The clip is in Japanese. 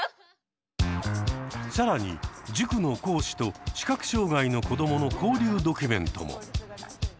更に塾の講師と視覚障害の子どもの交流ドキュメントも。